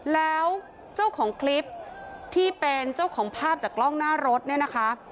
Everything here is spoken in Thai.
แล้วเจ้าของคลิปที่เป็นเจ้าของภาพจากกล้องหน้ารถเนี่ยนะคะ